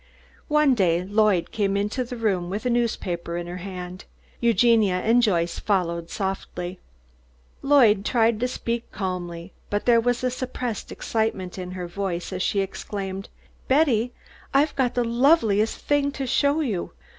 One day Lloyd came into the room with a newspaper in her hand. Eugenia and Joyce followed softly. Lloyd tried to speak calmly, but there was a suppressed excitement in her voice as she exclaimed, "Betty, I've got the loveliest thing to show you.